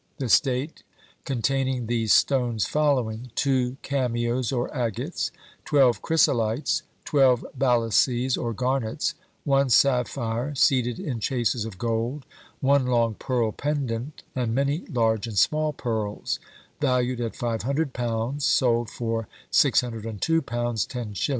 The state containing these stones following: two cameos or agates, twelve chrysolites, twelve ballases or garnets, one sapphire seated in chases of gold, one long pearl pendant, and many large and small pearls, valued at £500 sold for £602 10s.